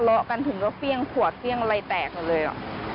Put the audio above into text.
ทะเลาะกันถึงก็เพี้ยงขวดเพี้ยงอะไรแตกก็เลย